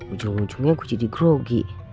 ujung ujungnya aku jadi grogi